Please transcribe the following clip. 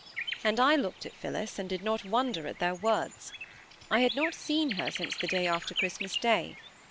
And I looked at Phillis, and did not wonder at their words. I had not seen her since the day after Christmas Day.